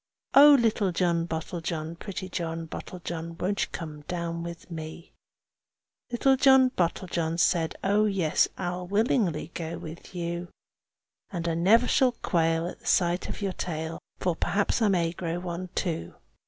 Oh! little John Bottlejohn, pretty John Bottlejohn, Won't you come down with me?" Little John Bottlejohn said, "Oh yes! I'll willingly go with you. And I never shall quail at the sight of your tail, For perhaps I may grow one too."